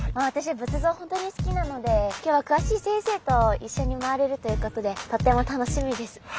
私仏像ほんとに好きなので今日は詳しい先生と一緒に回れるということでとっても楽しみです。